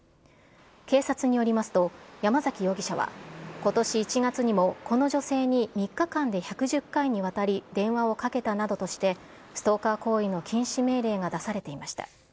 警察によりますと、山崎容疑者はことし１月にも、この女性に３日間で１１０回にわたり電話をかけたなどとして、ストーカー行為の禁止命令が出されていました。